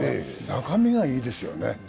中身がいいですよね。